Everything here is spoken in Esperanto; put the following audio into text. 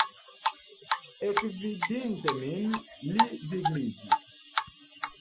Ekvidinte min, li vigliĝis.